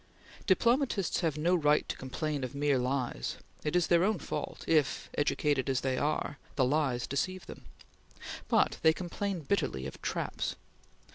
Diplomatists have no right to complain of mere lies; it is their own fault, if, educated as they are, the lies deceive them; but they complain bitterly of traps.